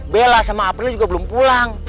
bela sama april juga belum pulang